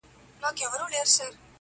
په یوه ژبه ګړیږو یو له بله نه پوهیږو-